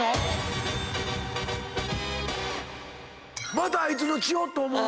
またあいつの血をと思うの？